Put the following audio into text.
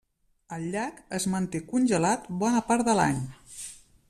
El llac es manté congelat bona part de l'any.